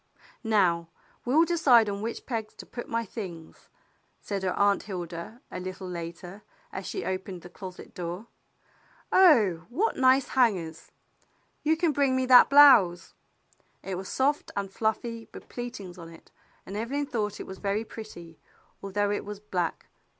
"Now we'll decide on which pegs to put my things," said her Aunt Hilda, a little later, as she opened the closet door. "Oh, what nice hangers! You can bring me that blouse." It was soft and fluffy with pleatings on it, and Evelyn thought it was very pretty, although it was black.